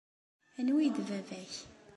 Anwa i d baba-k?